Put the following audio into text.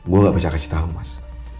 gue gak bisa kasih tahu mas